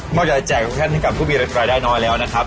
มักจะแจกแค่นิดหนึ่งกับผู้บินอะไรได้น้อยแล้วนะครับ